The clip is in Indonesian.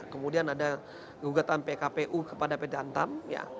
kemudian ada kegugatan pkpu kepada pt antam